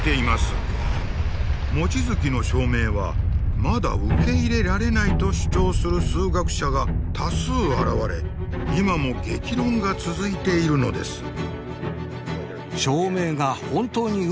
望月の証明はまだ受け入れられないと主張する数学者が多数現れ今も激論が続いているのです。